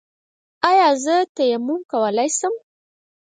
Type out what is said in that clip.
ایا زه تیمم کولی شم؟